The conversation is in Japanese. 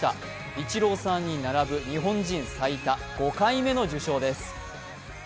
イチローさんに並ぶ、日本人最多５回目の受賞です。